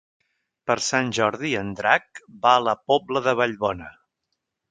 Per Sant Jordi en Drac va a la Pobla de Vallbona.